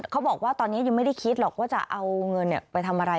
เขาบอกว่าตอนนี้ยังไม่ได้คิดหรอกว่าจะเอาเงินไปทำอะไร